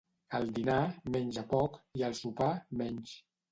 Al dinar, menja poc; i al sopar, menys.